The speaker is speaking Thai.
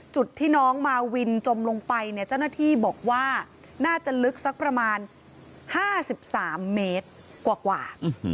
จุดที่น้องมาวินจมลงไปเนี่ยเจ้าหน้าที่บอกว่าน่าจะลึกสักประมาณ๕๓เมตรกว่า